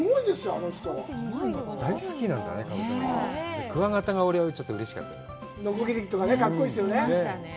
あの人は大好きなんだねカブトムシがクワガタが俺はうれしかったノコギリとかかっこいいですよねいましたね